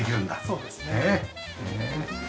そうですね。